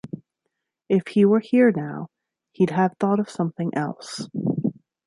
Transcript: If he were here now, he'd have thought of something else.